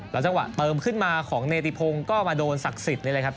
แล้วจังหวะเพิ่มขึ้นมาของเนธิพรงก็มาโดนศักดิ์ศิษย์เลยนะครับ